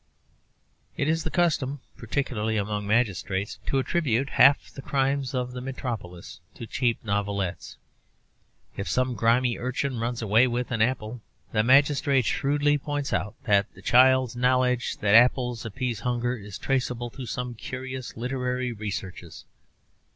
It is the custom, particularly among magistrates, to attribute half the crimes of the Metropolis to cheap novelettes. If some grimy urchin runs away with an apple, the magistrate shrewdly points out that the child's knowledge that apples appease hunger is traceable to some curious literary researches.